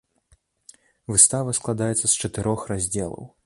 Выстава складаецца з чатырох раздзелаў.